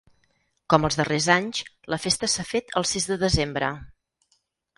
Com els darrers anys, la festa s’ha fet el sis de desembre.